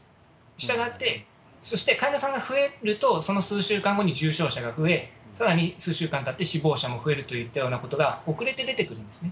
したがって、そして患者さんが増えると、その数週間後に重症者が増え、さらに数週間たって、死亡者も増えるといったようなことが遅れて出てくるんですね。